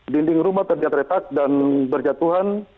dinding rumah terlihat retak dan berjatuhan